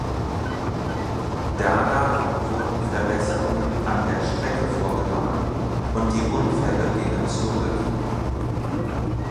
Danach wurden Verbesserungen an der Strecke vorgenommen und die Unfälle gingen zurück.